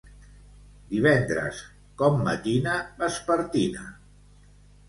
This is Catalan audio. Divendres, com matina, vespertina.